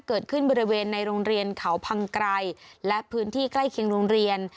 เกิดขึ้นบริเวณในโรงเรียนเขาพังไกรและพื้นที่ใกล้เคียงโรงเรียน